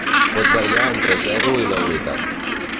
Pot variar entre zero i la unitat.